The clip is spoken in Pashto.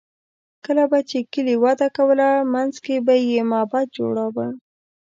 کله به چې کلي وده کوله، منځ کې به یې معبد جوړاوه.